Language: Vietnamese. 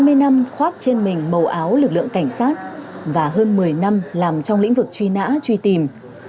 trong hai mươi năm khoác trên mình màu áo lực lượng cảnh sát và hơn một mươi năm làm trong lĩnh vực truy nã truy tìm